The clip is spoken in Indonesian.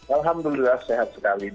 alhamdulillah sehat sekali